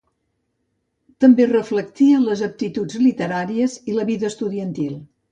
També reflectia les aptituds literàries i la vida estudiantil.